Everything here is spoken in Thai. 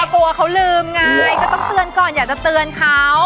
กลัวเขาลืมไงก็ต้องเตือนก่อนอยากจะเตือนเขา